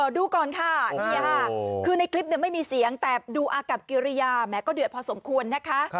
ดูก่อนค่ะคือในคลิปเนี่ยไม่มีเสียงแต่ดูอากับเกรียร์แม้ก็เดือดพอสมควรนะคะ